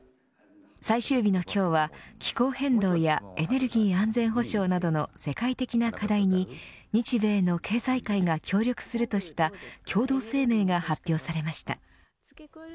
最終日の今日は、気候変動やエネルギー安全保障などの世界的な課題に日米の経済界が協力するとした共同声明が発表されました。